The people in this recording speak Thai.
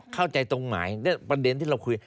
เข้าใจตรงนี้พันเด็นที่เราคุย